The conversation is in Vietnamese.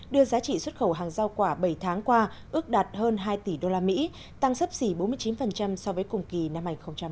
đưa giá trị xuất khẩu hàng giao quả bảy tháng qua ước đạt hơn hai tỷ đô la mỹ tăng sấp xỉ bốn mươi chín so với cùng kỳ năm hai nghìn một mươi sáu